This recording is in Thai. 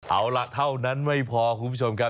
เอาล่ะเท่านั้นไม่พอคุณผู้ชมครับ